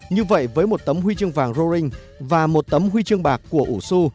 như vậy với một tấm huy chương vàng rowing và một tấm huy chương bạc của ủ su